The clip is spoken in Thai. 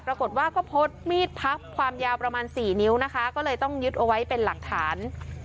ปรากฏว่าก็พดมีดพับความยาวประมาณสี่นิ้วนะคะก็เลยต้องยึดเอาไว้เป็นหลักฐาน